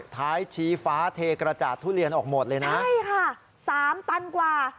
ท้ายชี้ฟ้าเทกระจาดทุเรียนออกหมดเลยนะใช่ค่ะสามตันกว่า